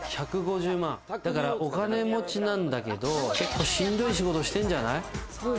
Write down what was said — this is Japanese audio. だから、お金持ちなんだけどしんどい仕事してんじゃない？